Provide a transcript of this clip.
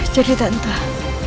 jadi tak entah